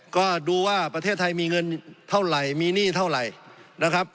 ก็ดูว่าประเทศไทยมีเงินเท่าไหร่มีหนี้เท่าไหร่นะครับ